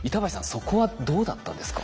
そこはどうだったんですか？